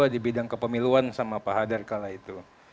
di bidang kepemiluan sama pak hadar kala itu